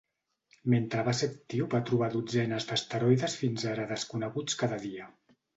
Mentre va ser actiu va trobar dotzenes d'asteroides fins ara desconeguts cada dia.